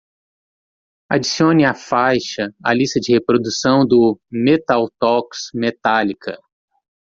Adicione a faixa à lista de reprodução do Metal Talks Metallica.